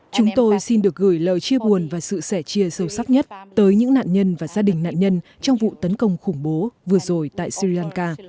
chúng tôi xin được gửi lời chia buồn và sự sẻ chia sâu sắc nhất tới những nạn nhân và gia đình nạn nhân trong vụ tấn công khủng bố vừa rồi tại sri lanka